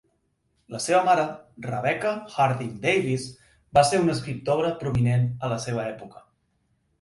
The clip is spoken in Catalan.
La seva mare, Rebecca Harding Davis, va ser una escriptora prominent a la seva època.